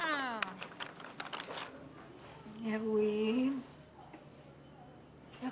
erwin cepet sadar dong sayang